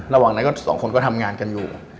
ระหว่างนั้นก็สองคนก็ทำงานกันอยู่